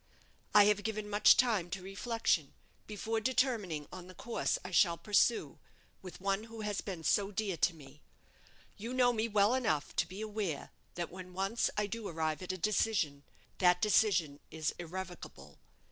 I have given much time to reflection before determining on the course I shall pursue with one who has been so dear to me. You know me well enough to be aware that when once I do arrive at a decision, that decision is irrevocable.